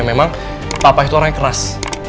memang papa itu orang yang keras